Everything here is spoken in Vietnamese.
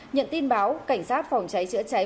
nhận tin báo cảnh sát phòng cháy chữa cháy